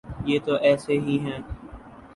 یہ تو ایسے ہی ہے۔